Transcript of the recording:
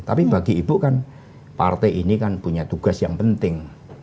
tapi bagi ibu kan partai ini kan punya tugas yang penting